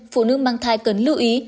phụ nữ mang thai cần lưu ý